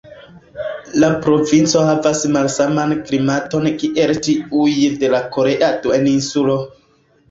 La provinco havas malsaman klimaton kiel tiuj de la korea duoninsulo.